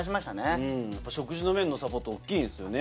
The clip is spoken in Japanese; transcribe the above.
食事の面のサポート、大きいですね。